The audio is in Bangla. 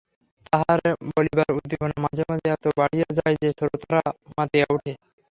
তাঁহার বলিবার উদ্দীপনা মাঝে মাঝে এত বাড়িয়া যায় যে, শ্রোতারা মাতিয়া উঠে।